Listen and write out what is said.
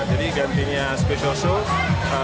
jadi gantinya special show